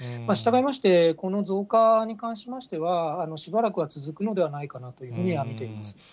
したがいまして、この増加に関しましては、しばらくは続くのではないかなというふうには見ています。